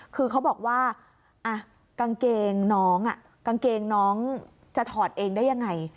คือเขาบอกว่ากางเกงน้องจะถอดเองได้ยังไง